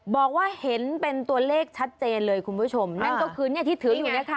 บอกว่าเห็นเป็นตัวเลขชัดเจนเลยคุณผู้ชมนั่นก็คือเนี่ยที่ถืออยู่เนี่ยค่ะ